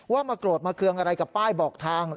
มาโกรธมาเคืองอะไรกับป้ายบอกทาง